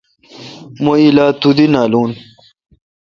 مہ الا تودی نالون۔